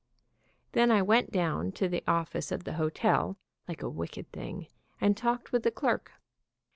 Then I went down to the office of the hotel, like a wicked thing and talked with the clerk.